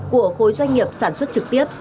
của khối doanh nghiệp sản xuất trực tiếp